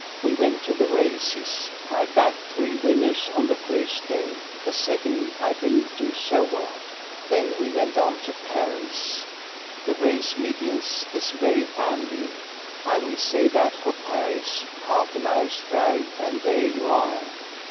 We went to the races. I backed three winners on the first day the second I didn't do so well. Then we went on to Paris. The race meetings is very 'andy I will say that for Paris half an hour's drive and there you are."